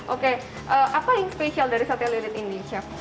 oke apa yang spesial dari sate lilit ini chef